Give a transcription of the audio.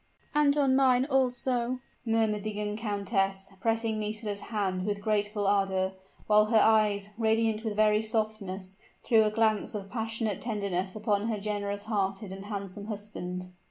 "And on mine also," murmured the young countess, pressing Nisida's hand with grateful ardor, while her eyes, radiant with very softness, threw a glance of passionate tenderness upon her generous hearted and handsome husband.